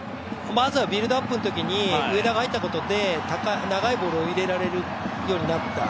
まずはビルドアップのときに、上田が入ったことで長いボールを入れられるようになった。